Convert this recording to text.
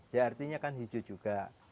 ya artinya kan hijau juga